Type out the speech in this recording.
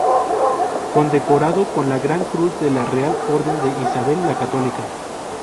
Condecorado con la gran cruz de la Real Orden de Isabel la Católica.